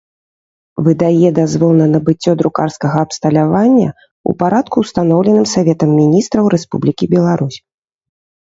Выдае дазвол на набыццё друкарскага абсталявання ў парадку, устаноўленым Саветам Мiнiстраў Рэспублiкi Беларусь.